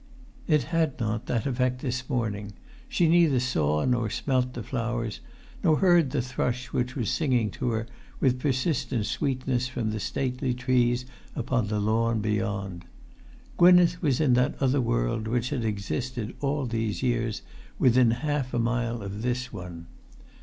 It had not that effect this morning; she neither saw nor smelt the flowers, nor heard the thrush which was singing to her with persistent sweetness from the stately trees upon the lawn beyond. Gwynneth was in that other world which had existed all these years within half a mile of this one.